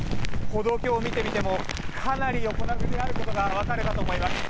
歩道橋を見てみてもかなり横殴りであることがわかると思います。